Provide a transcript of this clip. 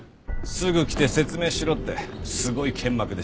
すぐ来て説明しろってすごい剣幕でした。